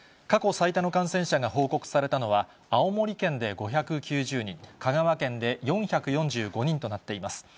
過去最多の感染者が報告されたのは、青森県で５９０人、香川県で４４５人となっています。